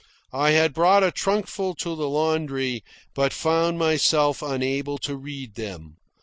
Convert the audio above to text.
I had brought a trunkful to the laundry, but found myself unable to read them.